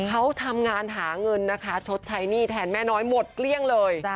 เขาทำงานหาเงินนะคะชดใช้หนี้แทนแม่น้อยหมดเกลี้ยงเลย